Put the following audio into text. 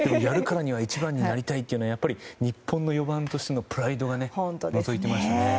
やるからには一番になりたいというのはやっぱり日本の４番としてのプライドがのぞいていましたね。